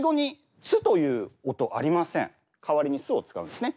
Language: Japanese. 代わりに「す」を使うんですね。